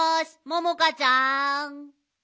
ももかちゃん！